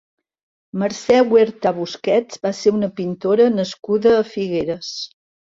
Mercè Huerta Busquets va ser una pintora nascuda a Figueres.